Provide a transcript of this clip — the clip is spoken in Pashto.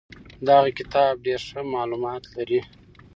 دغه کتاب ډېر ښه معلومات لري.